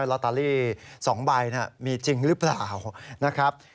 ลอตารี่๒ใบน่ะมีจริงหรือเปล่า